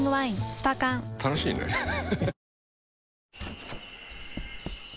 スパ缶楽しいねハハハ